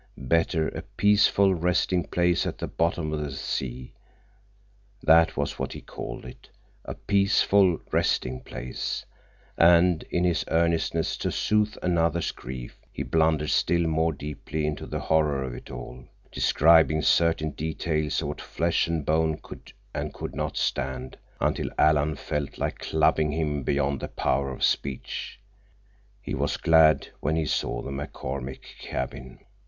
Better a peaceful resting place at the bottom of the sea. That was what he called it—"a peaceful resting place"—and in his earnestness to soothe another's grief he blundered still more deeply into the horror of it all, describing certain details of what flesh and bone could and could not stand, until Alan felt like clubbing him beyond the power of speech. He was glad when he saw the McCormick cabin.